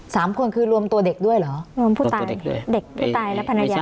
สามคนคือรวมตัวเด็กด้วยเหรอรวมตัวเด็กด้วยเด็กตายและภรรยาไม่ใช่